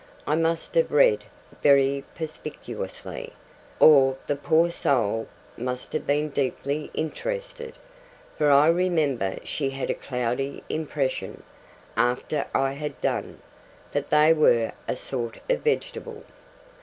I must have read very perspicuously, or the poor soul must have been deeply interested, for I remember she had a cloudy impression, after I had done, that they were a sort of vegetable.